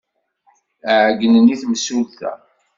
Ɛeyynen i temsulta.